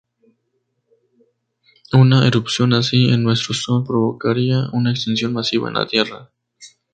Una erupción así en nuestro Sol provocaría una extinción masiva en la Tierra.